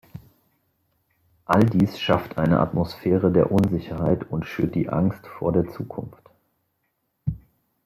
All dies schafft eine Atmosphäre der Unsicherheit und schürt die Angst vor der Zukunft.